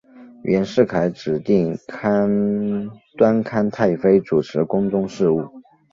袁世凯指定端康太妃主持宫中事务。